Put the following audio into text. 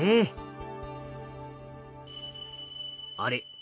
あれ？